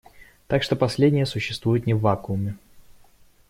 Так что последние существуют не в вакууме.